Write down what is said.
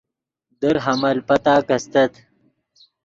در حمل پتاک استت